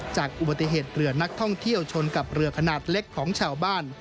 จากอุบัติเหตุเรือนักท่องเที่ยวชนกับเรือขนาดเล็กของชาวบ้าน